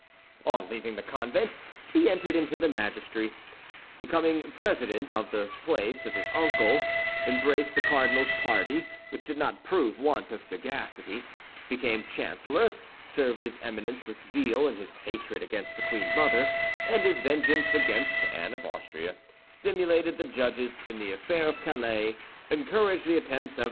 On leaving the convent he entered into the magistracy, became president on the place of his uncle, embraced the cardinal's party, which did not prove want of sagacity, became chancellor, served his Eminence with zeal in his hatred against the queen mother and his vengeance against Anne of Austria, stimulated the judges in the affair of Calais, encouraged the attempts of M.